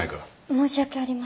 申し訳ありません。